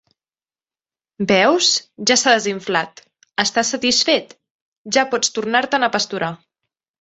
Veus? Ja s’ha desinflat! Estàs satisfet? Ja pots tornar-te’n a pasturar.